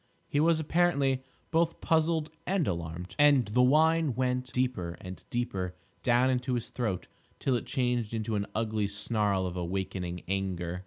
He was, apparently, both puzzled and alarmed, and the whine went deeper and deeper down into his throat till it changed into an ugly snarl of awakening anger.